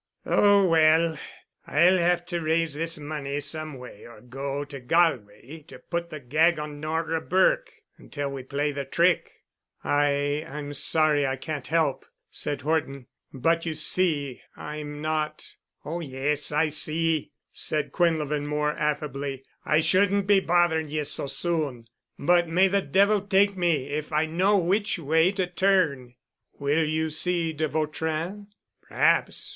"Oh, well—I'll have to raise this money some way or go to Galway to put the gag on Nora Burke until we play the trick——" "I—I'm sorry I can't help——" said Horton, "but you see—I'm not——" "Oh, yes, I see," said Quinlevin more affably. "I shouldn't be bothering ye so soon, but may the devil take me if I know which way to turn." "Will you see de Vautrin?" "Perhaps.